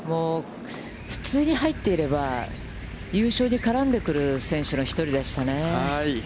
普通に入っていれば、優勝に絡んでくる選手の１人でしたね。